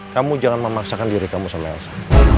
kamu jangan memaksakan diri kamu sama elsa